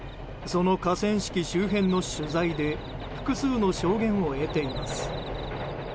その河川敷周辺の取材で複数の証言を得ています。